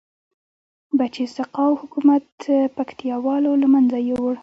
بچه سقاو حکومت پکتيا والو لمنځه یوړ